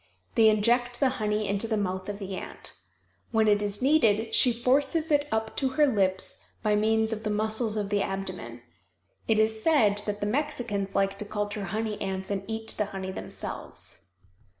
They inject the honey into the mouth of the ant. When it is needed she forces it up to her lips by means of the muscles of the abdomen. It is said that the Mexicans like to culture honey ants and eat the honey themselves.